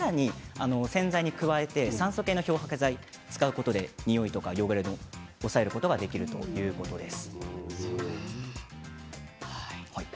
洗剤に加えて酸素系漂白剤を使うことでにおいや汚れを抑えることができるということです。